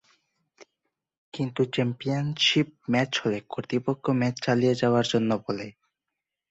কিন্তু championship match হলে কর্তৃপক্ষ ম্যাচ চালিয়ে যাওয়ার জন্য বলে।